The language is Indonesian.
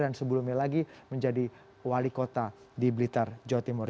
dan sebelumnya lagi menjadi wali kota di blitar jawa timur